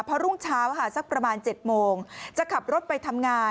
พอรุ่งเช้าค่ะสักประมาณ๗โมงจะขับรถไปทำงาน